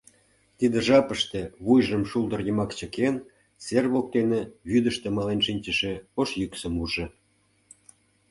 Тиде жапыште вуйжым шулдыр йымак чыкен, сер воктене вӱдыштӧ мален шинчыше ош йӱксым ужо.